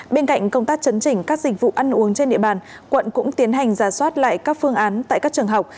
bên cạnh công tác chấn chỉnh các dịch vụ ăn uống trên địa bàn quận cũng tiến hành giả soát lại các phương án tại các trường học